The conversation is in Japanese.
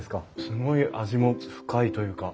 すごい味も深いというか。